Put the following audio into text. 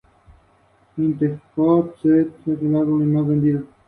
Estas líneas se puede utilizar como una guía para una firma.